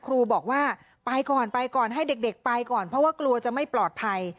ครูบอกว่าไปก่อนไปก่อนให้เด็กไปก่อนเพราะว่ากลัวจะไม่ปลอดภัย